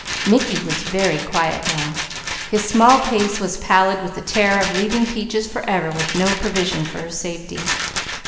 Mickey was very quiet now. His small face was pallid with the terror of leaving Peaches forever with no provision for her safety.